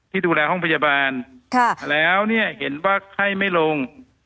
ที่ดูแลห้องพยาบาลแล้วเนี่ยเห็นว่าไข้ไม่ลง